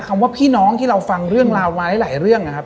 คำว่าพี่น้องที่เราฟังเรื่องราวมาหลายเรื่องนะครับ